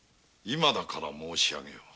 今だから申し上げよう。